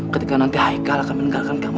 ketika nanti haikal akan meninggalkan kamu